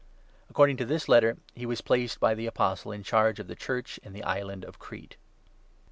According to this Letter, he was placed by the Apostle in charge of the Church in the island of Crete.